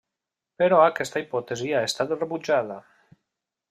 Però aquesta hipòtesi ha estat rebutjada.